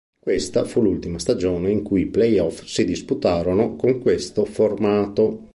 Questa fu l'ultima stagione in cui i playoff si disputarono con questo formato.